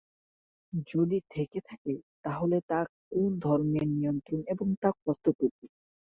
যদি থেকে থাকে তাহলে তা কোন ধরনের নিয়ন্ত্রণ এবং তা কতটুকু।